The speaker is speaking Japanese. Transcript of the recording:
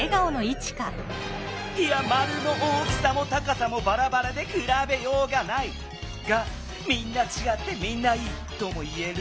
いや丸の大きさも高さもばらばらでくらべようがない！がみんなちがってみんないい！とも言える？